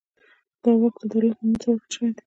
دا واک د دولت مامور ته ورکړل شوی دی.